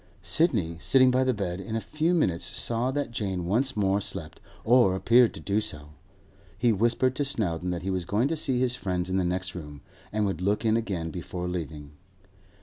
Sidney, sitting by the bed, in a few minutes saw that Jane once more slept, or appeared to do so. He whispered to Snowdon that he was going to see his friends in the next room, and would look in again before leaving.